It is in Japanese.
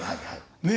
ねえ。